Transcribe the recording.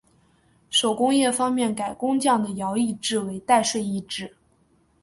手工业方面改工匠的徭役制为代税役制。